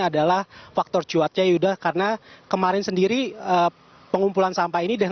adalah faktor cuatnya yuda karena kemarin sendiri pengumpulan sampah ini dan